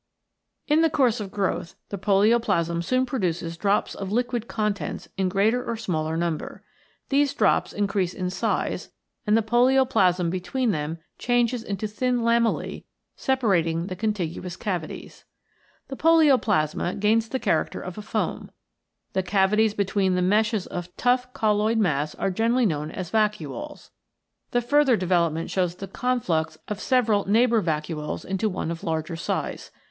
In the course of growth the polioplasm soon produces drops of liquid contents in greater or smaller number. These drops increase in size, and the polioplasm between them changes into thin lamellae separating the contiguous cavities. The polioplasma gains the character of foam. The cavities between the meshes of tough colloid mass are generally known as vacuoles. The further development shows the conflux of several neigh bour vacuoles to one of larger size.